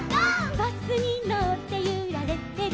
「バスにのってゆられてる」